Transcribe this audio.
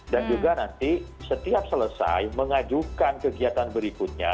dan juga nanti setiap selesai mengajukan kegiatan berikutnya